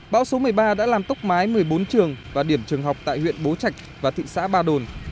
bão số một mươi ba đã làm tốc mái một mươi bốn trường và điểm trường học tại huyện bố trạch và thị xã ba đồn